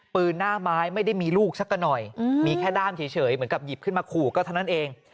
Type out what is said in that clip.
ปืนหน้าไม้ไม่ได้มีลูกสักกระหน่อยมีแค่ด้ามเฉยเหมือนกับหยิบขึ้นมาขู่ก็เท่านั้นเอง